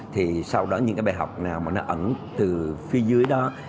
thì sau đó những cái bài học nào mà nó ẩn từ phía dưới đó